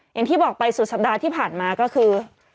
อย่างที่บอกไปสุดสัปดาห์ที่ผ่านมาก็คือ